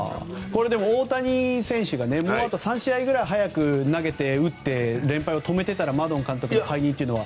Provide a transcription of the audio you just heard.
大谷選手がもうあと３試合くらい早く投げて、打って連敗を止めていたらマドン監督の解任というのは？